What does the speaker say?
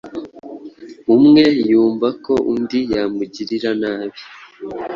umwe yumva ko undi yamugirira nabi